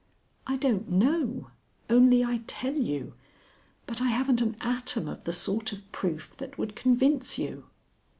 "I don't know. Only I tell you But I haven't an atom of the sort of proof that would convince you."